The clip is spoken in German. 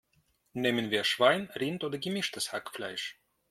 Nehmen wir Schwein, Rind oder gemischtes Hackfleisch?